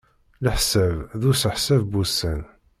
Leḥsab d useḥseb n wussan.